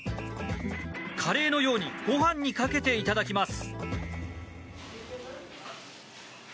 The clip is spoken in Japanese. カレーのようにご飯にかけていただきます。